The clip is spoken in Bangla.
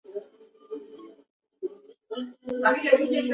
এভাবে মাত্র আট বছর বয়সেই ক্লাবের পক্ষ হয়ে খেলেন।